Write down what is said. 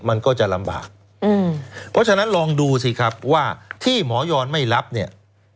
มันก็จะลำบากอืมเพราะฉะนั้นลองดูสิครับว่าที่หมอยอนไม่รับเนี่ย